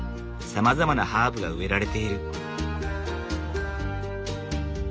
さまざまなハーブが植えられている。